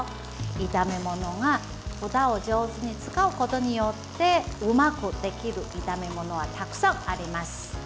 炒め物がふたを上手に使うことによってうまくできる炒め物はたくさんあります。